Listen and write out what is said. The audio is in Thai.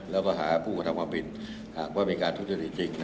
แล้วก็หาผู้กระทำความผิดหากว่ามีการทุจริตจริง